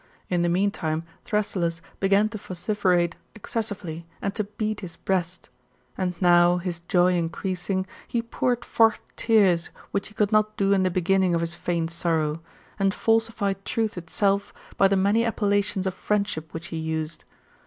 In the meantime, Thrasyllus began to. vociferate excessively, and to beat his breast ; and now his joy increasing, he poured fortii tears, which he could not do in the beginning of his feigned sorrow, and falsified truth itself by the many appellations of friend ship which he used.